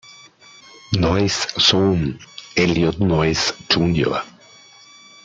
Noyes Sohn, Eliot Noyes Jr.